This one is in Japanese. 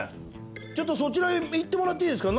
ちょっとそちらへ行ってもらっていいですか？